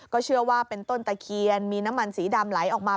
เชื่อว่าเป็นต้นตะเคียนมีน้ำมันสีดำไหลออกมา